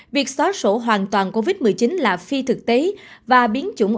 việc xóa sổ hoàn toàn covid một mươi chín là phi thực tế và biến chủng